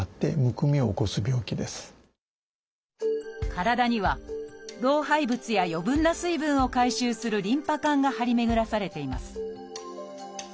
体には老廃物や余分な水分を回収するリンパ管が張り巡らされています。